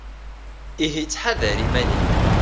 Ihi ttḥadar iman-im.